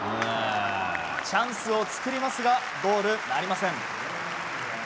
チャンスを作りますがゴールなりません。